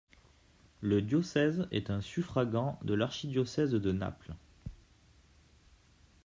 Le diocèse est un suffragant de l'archidiocèse de Naples.